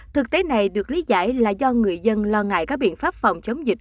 thực tế này được lý giải là do người dân lo ngại các biện pháp phòng chống dịch